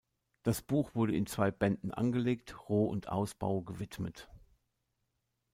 Das Buch wurde in zwei Bänden angelegt, Roh- und Ausbau gewidmet.